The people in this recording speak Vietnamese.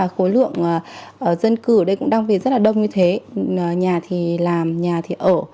khối lượng dân cư ở đây cũng đang rất đông như thế nhà thì làm nhà thì ở